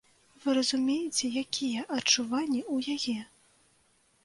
Вы разумееце, якія адчуванні ў яе?